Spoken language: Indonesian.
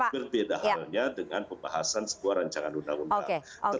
berbeda halnya dengan pembahasan sebuah rancangan undang undang